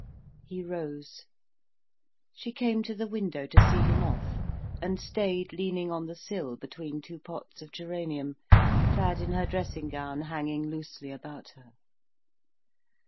He rose. She came to the window to see him off, and stayed leaning on the sill between two pots of geranium, clad in her dressing gown hanging loosely about her.